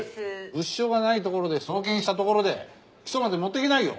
物証がないところで送検したところで起訴まで持っていけないよ。